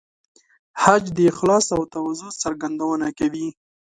حج د اخلاص او تواضع څرګندونه کوي.